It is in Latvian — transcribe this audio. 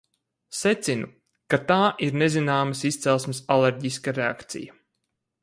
Secinu, ka tā ir nezināmas izcelsmes alerģiska reakcija.